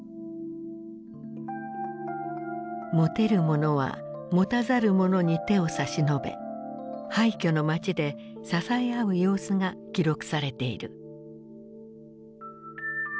持てる者は持たざる者に手を差し伸べ廃虚の街で支え合う様子が記録されている。